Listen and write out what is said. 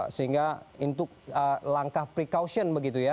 sehingga untuk langkah precaution begitu ya